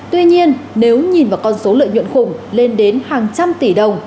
tuy nhiên nếu nhìn vào con số lợi nhuận khủng lên đến hàng trăm tỷ đồng